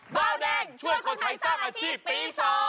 เบาแดงช่วยคนไทยสร้างอาชีพปี๒